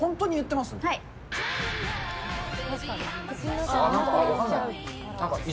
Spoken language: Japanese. はい。